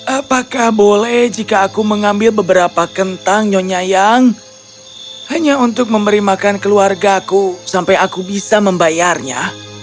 apakah boleh jika aku mengambil beberapa kentang nyonyayang hanya untuk memberi makan keluarga aku sampai aku bisa membayarnya